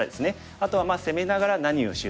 あとは攻めながら何をしようか。